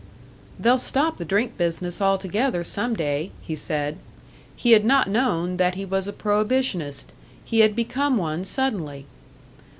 "They'll stop the drink business altogether some day," he said. He had not known that he was a Prohibitionist; he had become one suddenly!